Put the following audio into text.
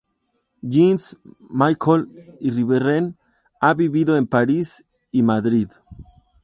Jean-Michel Iribarren ha vivido en París y Madrid.